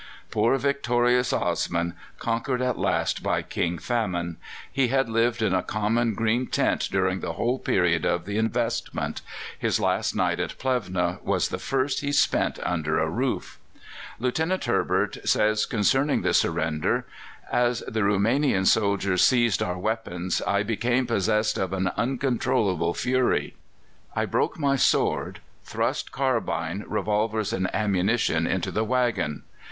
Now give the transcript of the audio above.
Poor victorious Osman! conquered at last by King Famine. He had lived in a common green tent during the whole period of the investment; his last night at Plevna was the first he spent under a roof. Lieutenant Herbert says concerning the surrender: "As the Roumanian soldiers seized our weapons I became possessed of an uncontrollable fury. I broke my sword, thrust carbine, revolvers, and ammunition into the waggon.